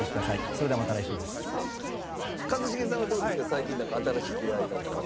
最近新しい出会いなんかは。